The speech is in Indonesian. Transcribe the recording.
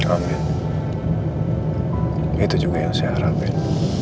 amin itu juga yang saya harapin